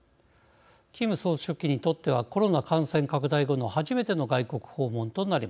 キム総書記にとってはコロナ感染拡大後の初めての外国訪問となります。